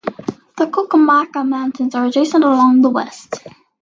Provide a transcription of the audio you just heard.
The Cuyamaca Mountains are adjacent along the west.